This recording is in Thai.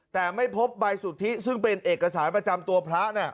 แต่ไม่พบใบสุทธิซึ่งเป็นเอกสารประจำตัวพระ